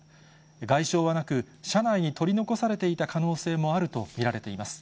外傷はなく、車内に取り残されていた可能性もあると見られています。